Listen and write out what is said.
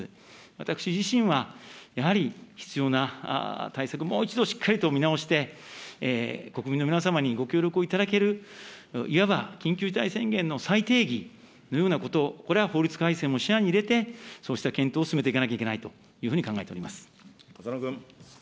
私自身はやはり必要な対策をもう一度しっかりと見直して、国民の皆様にご協力をいただけるいわば緊急事態宣言の再定義のようなこと、これは法律改正も視野に入れて、そうした検討を進めていかなきゃいけないというふうに考えて浅野君。